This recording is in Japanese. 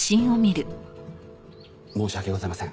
申し訳ございません。